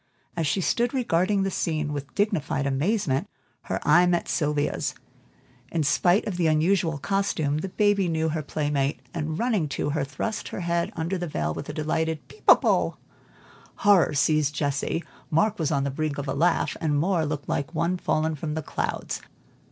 As she stood regarding the scene with dignified amazement, her eye met Sylvia's. In spite of the unusual costume, the baby knew her playmate, and running to her, thrust her head under the veil with a delighted "Peep a bo!" Horror seized Jessie, Mark was on the brink of a laugh, and Moor looked like one fallen from the clouds.